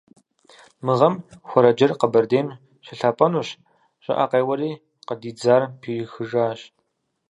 Мы гъэм хуэрэджэр Къабэрдейм щылъапӏэнущ, щӏыӏэ къеуэри къыдидзар пихыжащ.